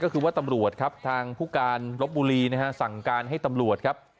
ก็คือว่าตำรวจครับทางผู้การลบบุรีนะฮะสั่งการให้ตำรวจครับ